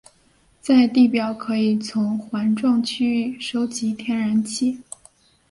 在地表可以从环状区域收集天然气。